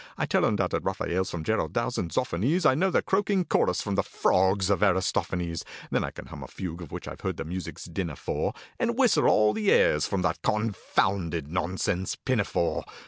I tell undoubted RAPHAELS from GERARD DOWS and ZOFFANIES, I know the croaking chorus from the 'Frogs' of ARISTOPHANES; Then I can hum a fugue, of which I've heard the music's din afore, And whistle all the airs from that confounded nonsense 'Pinafore.'